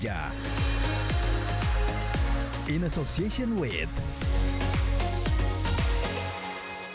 jangan lupa untuk menyaksikan special segment di indonesia aja